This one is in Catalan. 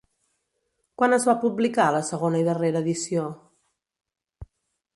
Quan es va publicar la segona i darrera edició?